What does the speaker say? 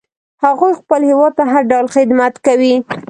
هغوی خپل هیواد ته هر ډول خدمت کوي